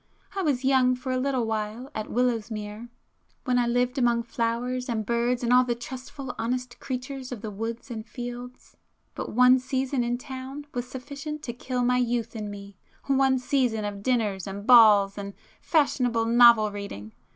I was young for a little while at Willowsmere, when I lived among flowers and birds and all the trustful honest creatures of the woods and fields,—but one season in town was sufficient to kill my youth in me,—one season of dinners and balls, and—fashionable novel reading.